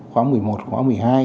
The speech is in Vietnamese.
khóa một mươi một khóa một mươi hai